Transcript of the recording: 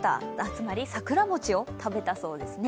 つまり桜餅を食べたそうですね。